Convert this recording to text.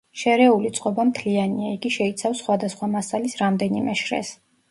შერეული წყობა მთლიანია, იგი შეიცავს სხვადასხვა მასალის რამდენიმე შრეს.